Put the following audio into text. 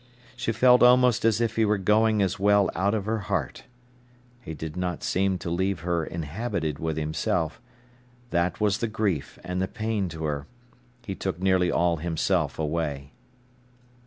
She felt almost as if he were going as well out of her heart. He did not seem to leave her inhabited with himself. That was the grief and the pain to her. He took nearly all himself away.